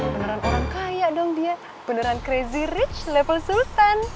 beneran orang kaya dong dia beneran crazy rich level sultan